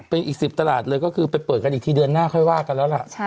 เป็นอีก๑๐ตลาดเลยก็คือไปเปิดกันอีกทีเดือนหน้าค่อยว่ากันแล้วล่ะ